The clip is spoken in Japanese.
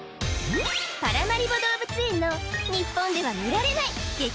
パラマリボ動物園の日本では見られない激